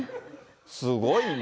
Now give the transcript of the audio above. すごいな。